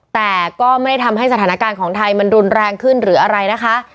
แต่ก็ไม่ได้ทำให้สถานการณ์ของไทยมันรุนแรงขึ้นหรืออะไรนะคะ